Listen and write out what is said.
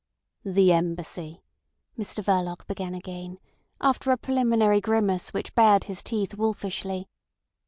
"The Embassy," Mr Verloc began again, after a preliminary grimace which bared his teeth wolfishly.